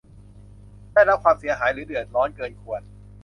ได้รับความเสียหายหรือเดือดร้อนเกินควร